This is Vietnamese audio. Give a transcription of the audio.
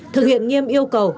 thực hiện nghiêm yêu cầu